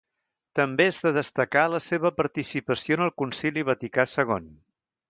També és de destacar la seva participació en el Concili Vaticà Segon.